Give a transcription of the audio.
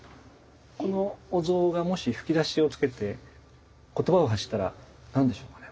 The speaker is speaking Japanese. このお像がもし吹き出しをつけて言葉を発したら何でしょうかね？